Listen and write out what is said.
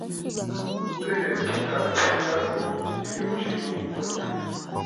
Bulelela tshitala tshia tatu tshidine mushinga mukole.